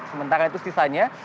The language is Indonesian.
sementara itu sisanya